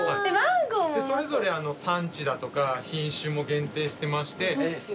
それぞれ産地だとか品種も限定してまして。